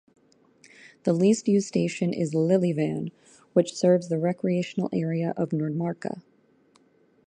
The least-used station is Lillevann, which serves the recreational area of Nordmarka.